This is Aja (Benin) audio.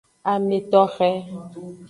Ame toxe.